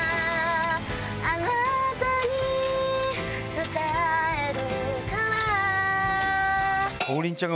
あなたに伝えるから